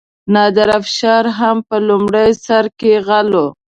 نادرشاه افشار هم په لومړي سر کې غل و.